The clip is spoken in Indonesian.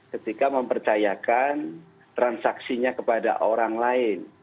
ketika mempercayakan transaksinya kepada orang lain